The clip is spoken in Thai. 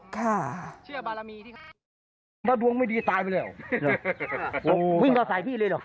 ค่ะ